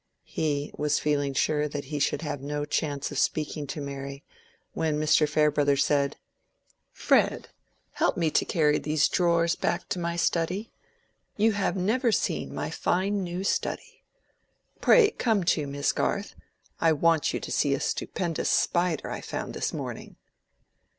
He was feeling sure that he should have no chance of speaking to Mary, when Mr. Farebrother said— "Fred, help me to carry these drawers back into my study—you have never seen my fine new study. Pray come too, Miss Garth. I want you to see a stupendous spider I found this morning."